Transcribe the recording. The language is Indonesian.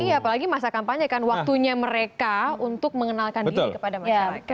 iya apalagi masa kampanye kan waktunya mereka untuk mengenalkan diri kepada masyarakat